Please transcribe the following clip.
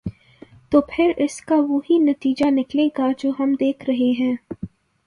تو پھر اس کا وہی نتیجہ نکلے گا جو ہم دیکھ رہے ہیں۔